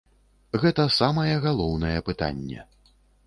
Гэта самае галоўнае пытанне.